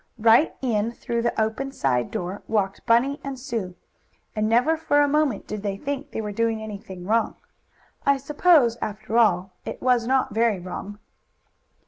Right in through the open side door walked Bunny and Sue, and never for a moment did they think they were doing anything wrong. I suppose, after all, it was not very wrong.